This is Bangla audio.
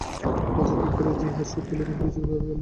রাজা কি করিয়া যে ইহার শােধ তুলিবেন কিছুতেই ভাবিয়া পাইলেন না।